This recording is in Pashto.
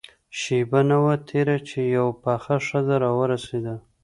شېبه نه وه تېره چې يوه پخه ښځه راورسېده.